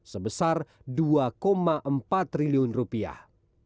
sebesar dua empat triliun rupiah